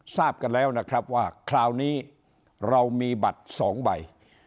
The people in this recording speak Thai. ทราบกันแล้วนะครับว่าคราวนี้เรามีบัตร๒ใบ